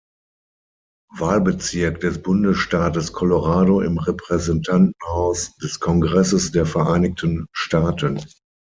Wahlbezirk des Bundesstaates Colorado im Repräsentantenhaus des Kongresses der Vereinigten Staaten.